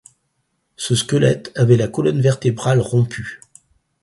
Ce squelette avait la colonne vertébrale rompue.